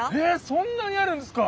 そんなにあるんですか！？